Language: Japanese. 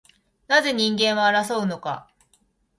なぜ人間は争うのか